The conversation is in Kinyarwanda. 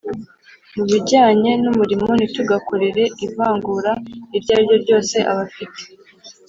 mu bijyanye n'umurimo, ntitugakorere ivangura iryo ari ryo ryose abafite